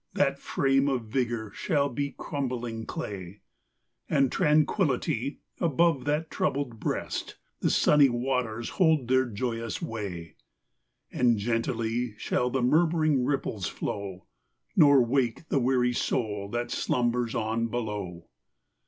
That frame of vigour shall be crumbling clay, And tranquilly, above that troubled breast, The sunny waters hold their joyous way : And gently shall the murmuring ripples flow, Nor wake the weary soul that slumbers on below.